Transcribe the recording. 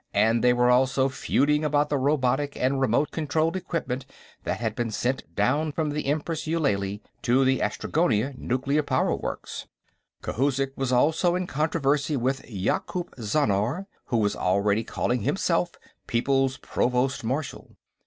And they were also feuding about the robotic and remote controlled equipment that had been sent down from the Empress Eulalie to the Austragonia nuclear power works. Khouzhik was also in controversy with Yakoop Zhannar, who was already calling himself People's Provost Marshal.